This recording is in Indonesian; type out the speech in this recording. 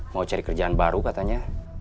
mau cari kerjaan baru katanya